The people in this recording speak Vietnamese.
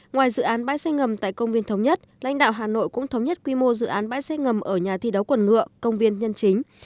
ngoài dự án bãi xe ngầm tại công viên thống nhất lãnh đạo hà nội cũng thống nhất quy mô dự án bãi xe ngầm ở nhà thi đấu quần ngựa công viên nhân chính